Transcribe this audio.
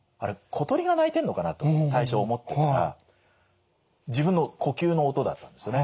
小鳥が鳴いてんのかなと最初思ってたら自分の呼吸の音だったんですよね。